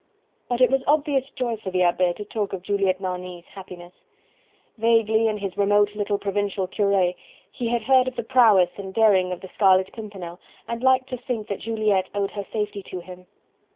But it was obvious joy for the Abbe to talk of Juliette Marny's happiness. Vaguely, in his remote little provincial cure, he had heard of the prowess and daring of the Scarlet Pimpernel and liked to think that Juliette owed her safety to him.